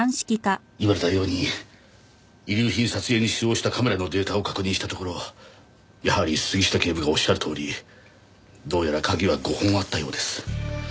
言われたように遺留品撮影に使用したカメラのデータを確認したところやはり杉下警部がおっしゃるとおりどうやら鍵は５本あったようです。